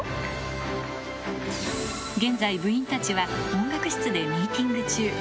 現在、部員たちは音楽室でミーティング中。